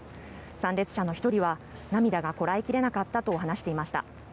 参列者の１人は涙がこらえ切れなかったと話していました。